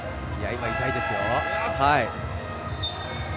痛いですよ。